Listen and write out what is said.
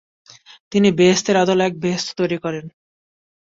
তিনি বেহেস্তের আদলে এক বেহেস্ত তৈরি করেন।